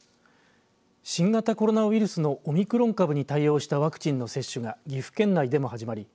新型コロナウイルスのオミクロン株に対応したワクチンの接種が岐阜県内でも始まり